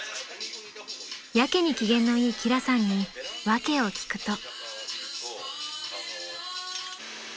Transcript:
［やけに機嫌のいい輝さんに訳を聞くと］